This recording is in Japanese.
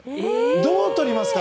どう取りますか？